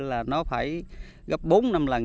là nó phải gấp bốn năm lần